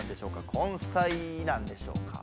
根菜なんでしょうか？